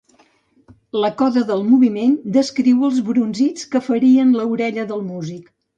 La coda del moviment descriu els brunzits que ferien l'orella del músic.